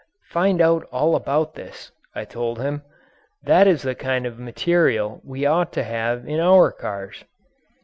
"Find out all about this," I told him. "That is the kind of material we ought to have in our cars."